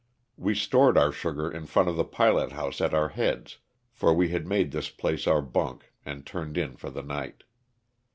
We stored our sugar in front of the pilot house at our heads, for we had made this place our bunk and turned in for the night.